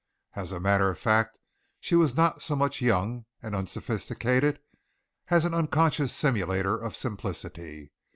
As a matter of fact she was not so much young and unsophisticated as an unconscious simulator of simplicity.